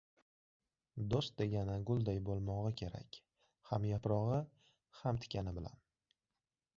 • Do‘st degani gulday bo‘lmog‘i kerak: ham yaprog‘i, ham tikani bilan.